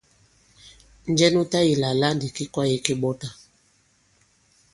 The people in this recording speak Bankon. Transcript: Njɛ nu tayī àlà àla ndì ki kwāye ki ɓɔtà?